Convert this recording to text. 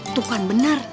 itu kan benar